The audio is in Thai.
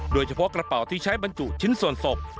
โดยเฉพาะกระเป๋าที่ใช้บรรจุชิ้นส่วนศพ